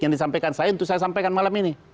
yang disampaikan saya untuk saya sampaikan malam ini